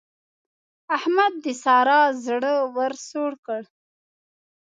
احمد د سارا زړه ور سوړ کړ.